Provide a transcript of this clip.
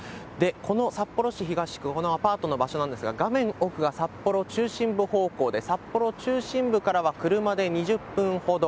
この札幌市東区、このアパートの場所なんですが、札幌中心部方向で、札幌中心部からは車で２０分ほど。